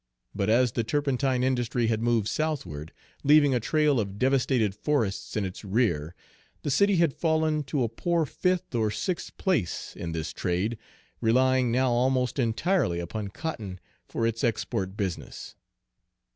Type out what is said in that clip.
But as the turpentine industry had moved southward, leaving a trail of devastated forests in its rear, the city had fallen to a poor fifth or sixth place in this trade, relying now almost entirely upon cotton for its export business.